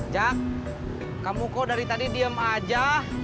jak kamu kok dari tadi diem aja